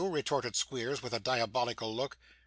retorted Squeers, with a diabolical look.